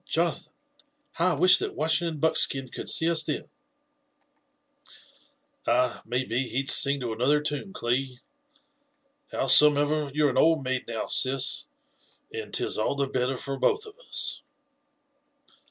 Jonathan I how I wish thai Waib* / ington Buckskin could see us then !" Ay, may be he'd sing to another tune, Cli. Howsomever, you're an old maid now, sis, and 'tis all the better for both of us.